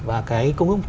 và cái công ước